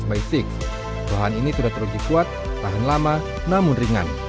bahan ini sudah teruji kuat tahan lama namun ringan